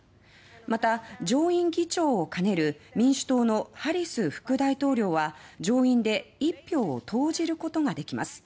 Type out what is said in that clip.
また、上院議長を兼ねる民主党のハリス副大統領は上院で１票を投じることができます。